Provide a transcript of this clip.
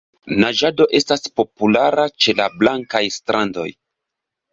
Naĝado estas populara ĉe la blankaj strandoj.